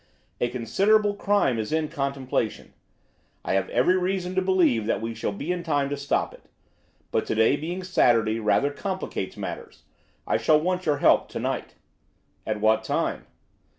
"A considerable crime is in contemplation. I have every reason to believe that we shall be in time to stop it. But to day being Saturday rather complicates matters. I shall want your help to night." "At what time?"